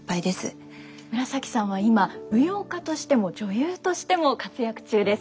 紫さんは今舞踊家としても女優としても活躍中です。